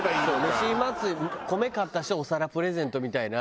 米買った人はお皿プレゼントみたいな。